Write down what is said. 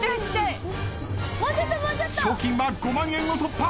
賞金は５万円を突破。